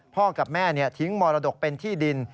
พ่อกับแม่ทิ้งมรดกเป็นที่ดิน